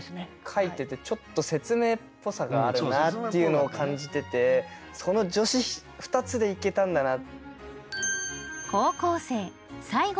書いててちょっと説明っぽさがあるなっていうのを感じててその助詞２つでいけたんだな。